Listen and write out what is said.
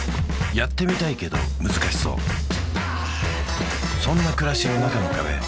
やってみたいけど難しそうそんな暮らしの中の壁